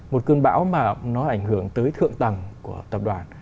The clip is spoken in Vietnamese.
một cơn bão mà nó ảnh hưởng tới thượng tầng của tập đoàn